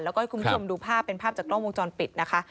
แล้วก็ให้คุณผู้ชมดูภาพเป็นภาพจากกล้องวงจรปิดนะคะ